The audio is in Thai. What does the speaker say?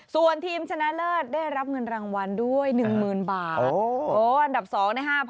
ส่วนทีมชนะเลิศได้รับเงินรางวัลด้วย๑๐๐๐บาท